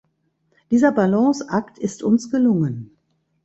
Dieser Balanceakt ist uns gelungen.